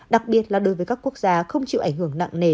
đặc biệt là đối với các quốc gia không chịu ảnh hưởng nặng nề